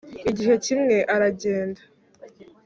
igihe kimwe aragenda